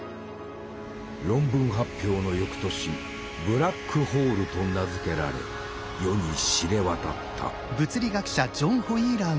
論文発表の翌年「ブラックホール」と名付けられ世に知れ渡った。